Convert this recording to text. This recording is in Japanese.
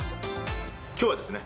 今日はですね